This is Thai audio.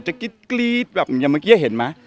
กรี๊ดแบบอย่างเมื่อกี้เห็นไหม